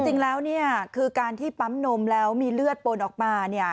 จริงแล้วเนี่ยคือการที่ปั๊มนมแล้วมีเลือดปนออกมา